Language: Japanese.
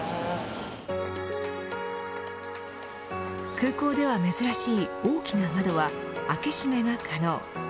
空港では珍しい大きな窓は開け閉めが可能。